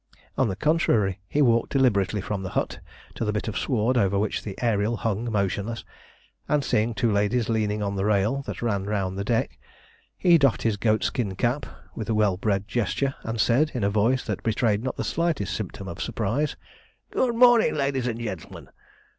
On the contrary, he walked deliberately from the hut to the bit of sward over which the Ariel hung motionless, and, seeing two ladies leaning on the rail that ran round the deck, he doffed his goatskin cap with a well bred gesture, and said, in a voice that betrayed not the slightest symptom of surprise "Good morning, ladies and gentlemen!